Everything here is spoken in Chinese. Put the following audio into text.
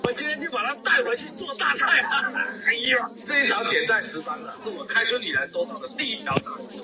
香港电视播放频道列表